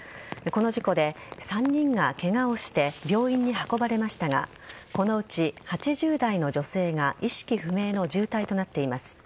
この事故で３人がケガをして病院に運ばれましたがこのうち８０代の女性が意識不明の重体となっています。